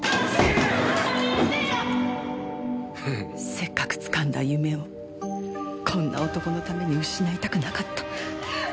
せっかくつかんだ夢をこんな男のために失いたくなかった。